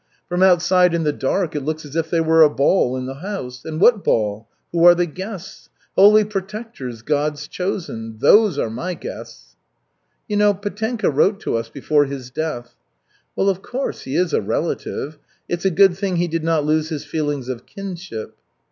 From outside in the dark it looks as if there were a ball in the house. And what ball? Who are the guests? Holy protectors, God's chosen. Those are my guests!" "You know, Petenka wrote to us before his death." "Well, of course, he is a relative. It's a good thing he did not lose his feelings of kinship."